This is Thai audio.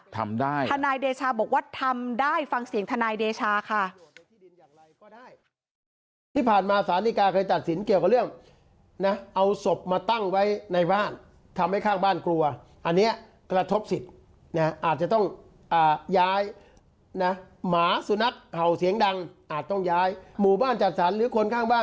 ทำได้ทนายเดชาบอกว่าทำได้ฟังเสียงทนายเดชาค่ะ